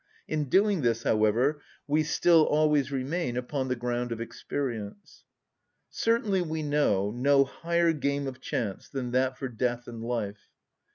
In doing this, however, we still always remain upon the ground of experience. Certainly we know no higher game of chance than that for death and life.